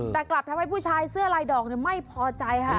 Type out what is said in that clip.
แต่กลับทำให้ผู้ชายเสื้อลายดอกไม่พอใจค่ะ